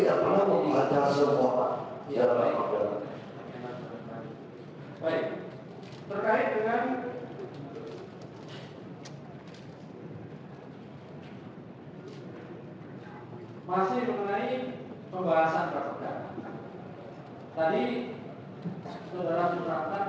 yang diketahui kemudian juga di aturan